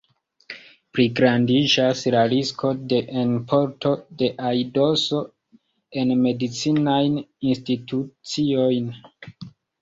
Pligrandiĝas la risko de enporto de aidoso en medicinajn instituciojn.